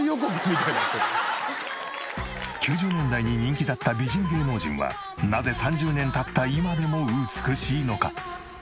９０年代に人気だった美人芸能人はなぜ３０年経った今でも美しいのか？